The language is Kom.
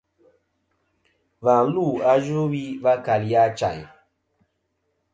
Và lu a Yvɨwi va kali Achayn.